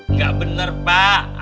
enggak benar pak